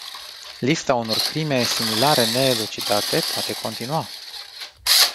Lista unor crime similare neelucidate poate continua.